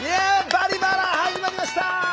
「バリバラ」始まりました！